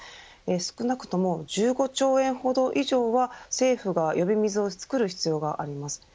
少なくとも１５兆円ほど以上は政府が呼び水を作る必要があります。